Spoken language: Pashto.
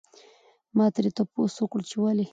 ما ترې تپوس وکړو چې ولې؟